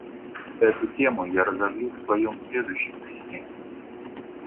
Эту тему я разовью в своем следующем письме.